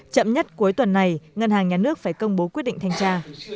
chậm nhất cuối tuần này ngân hàng nhà nước phải công bố quyết định thanh tra